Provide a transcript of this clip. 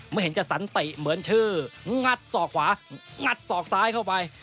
ไม่เห็นจะสันติเหมือนชื่องัดศอกขวางัดศอกซ้ายเข้าไป